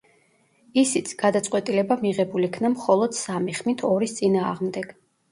ისიც, გადაწყვეტილება მიღებულ იქნა მხოლოდ სამი ხმით ორის წინააღმდეგ.